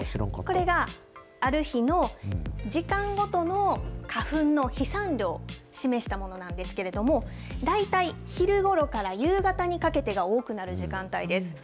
これがある日の時間ごとの、花粉の飛散量を示したものなんですけれども、大体昼ごろから夕方にかけてが多くなる時間帯です。